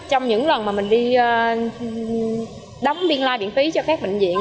trong những lần mà mình đi đóng biên lai biện phí cho các bệnh viện